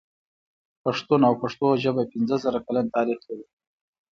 پښتون او پښتو ژبه پنځه زره کلن تاريخ لري.